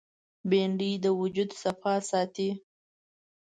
بېنډۍ د وجود صفا ساتي